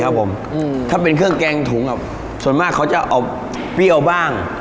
ครับผมถ้าเป็นเครื่องแกงถุงครับส่วนมากเขาจะเอาเปรี้ยวบ้าง